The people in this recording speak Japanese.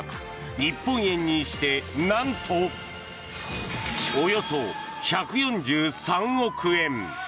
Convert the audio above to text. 日本円にしてなんと、およそ１４３億円。